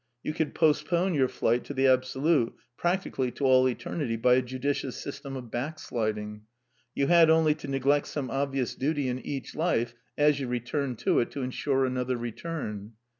You could postpone your flight to the Absolute practically to all eternity by a judicious system of backsliding. You had only to neglect some ob vious duty in each life as you returned to it to ensure another return.